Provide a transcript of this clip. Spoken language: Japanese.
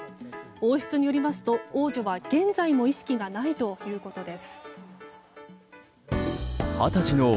王室によりますと、王女は現在も意識がないということです。